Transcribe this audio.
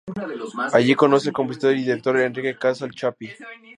Allí conoce al compositor y director Enrique Casal Chapí.